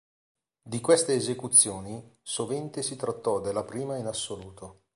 Di queste esecuzioni, sovente si trattò della prima in assoluto.